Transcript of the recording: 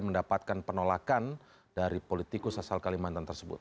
mendapatkan penolakan dari politikus asal kalimantan tersebut